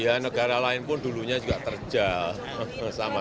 ya negara lain pun dulunya juga terjal sama saja